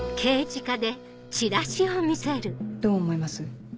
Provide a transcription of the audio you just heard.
どう思います？